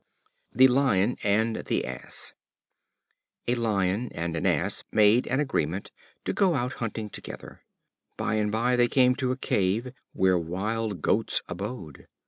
The Lion and the Ass. A Lion and an Ass made an agreement to go out hunting together. By and by they came to a cave, where wild goats abode.